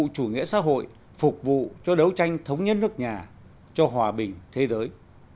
chủ nghĩa xã hội phục vụ cho đấu tranh thống nhất nước nhà cho hòa bình thế giới